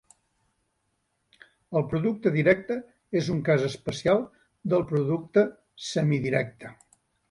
El producte directe és un cas especial del producte semidirecte.